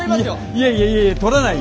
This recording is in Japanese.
いやいやいやいや撮らないよ！